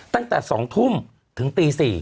ตั้งแต่๒ทุ่มถึงตี๔